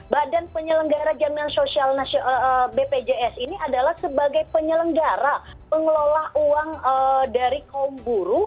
badan penyelenggara jaminan sosial bpjs ini adalah sebagai penyelenggara pengelola uang dari kaum buruh